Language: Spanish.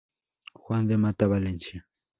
Juan de Mata Valencia.